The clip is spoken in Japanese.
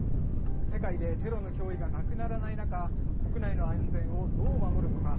世界でテロの脅威がなくならない中、国内の安全をどう守るのか。